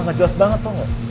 gak jelas banget tuh gak